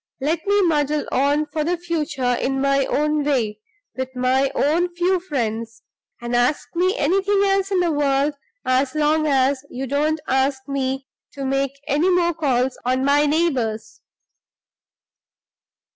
Let me muddle on for the future in my own way, with my own few friends; and ask me anything else in the world, as long as you don't ask me to make any more calls on my neighbors."